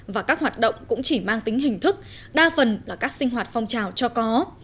và các hoạt động cũng chỉ mang tính hình thức đa phần là các sinh hoạt phong trào cho có